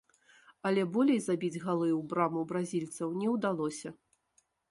Але болей забіць галы ў браму бразільцаў не удалося.